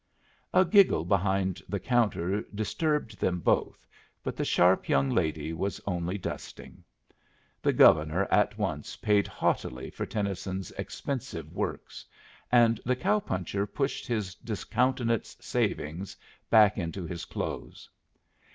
A giggle behind the counter disturbed them both, but the sharp young lady was only dusting. The Governor at once paid haughtily for Tennyson's expensive works, and the cow puncher pushed his discountenanced savings back into his clothes.